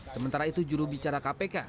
sementara itu juru bicara kpk